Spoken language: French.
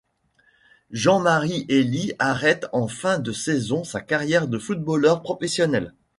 Jean-Marie Elie arrête en fin de saison sa carrière de footballeur professionnel.